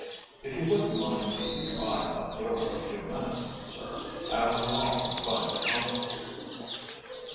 If you wouldn't mind keeping your eye on that door for a few minutes, sir, I'll go off and find the constable."